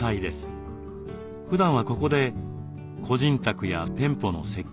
ふだんはここで個人宅や店舗の設計を行っています。